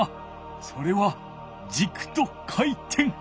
それはじくと回転。